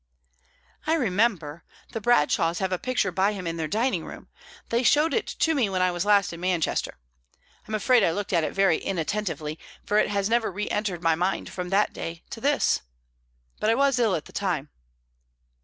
"I remember; the Bradshaws have a picture by him in their dining room. They showed it me when I was last in Manchester. I'm afraid I looked at it very inattentively, for it has never re entered my mind from that day to this. But I was ill at the time."